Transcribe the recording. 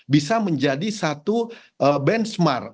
bisa menjadi satu benchmark